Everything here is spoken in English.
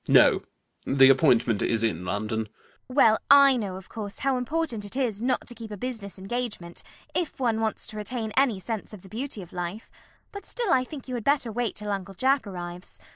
No: the appointment is in London. CECILY. Well, I know, of course, how important it is not to keep a business engagement, if one wants to retain any sense of the beauty of life, but still I think you had better wait till Uncle Jack arrives.